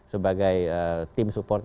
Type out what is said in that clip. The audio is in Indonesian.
sebagai tim support